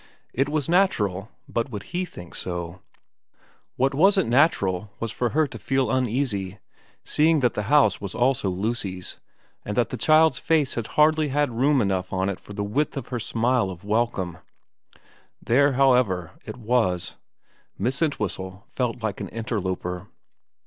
It was natural ; but would he think so ? What wasn't natural was for her to feel uneasy, seeing that the house was also Lucy's, and that the child's face had hardly had room enough on it for the width of her smile of welcome. There, however, it was, Miss Entwhistle felt like an interloper.